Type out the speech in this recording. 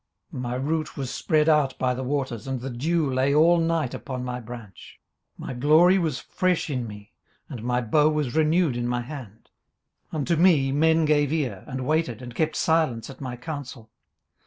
18:029:019 My root was spread out by the waters, and the dew lay all night upon my branch. 18:029:020 My glory was fresh in me, and my bow was renewed in my hand. 18:029:021 Unto me men gave ear, and waited, and kept silence at my counsel.